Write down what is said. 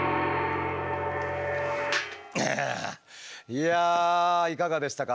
いやいかがでしたか？